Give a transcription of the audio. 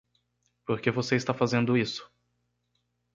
Por que você está fazendo isso?